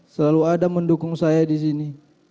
selalu ada mendukung saya disini